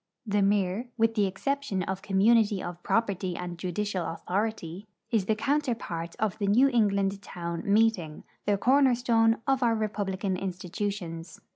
The mir, with the exception of community of property and judicial authority, is the counterpart of the New England town meeting, the corner stone of our republican institutions.